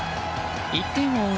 １点を追う